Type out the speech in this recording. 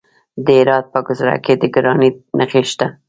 د هرات په ګذره کې د ګرانیټ نښې شته.